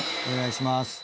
お願いします。